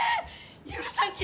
許さんき！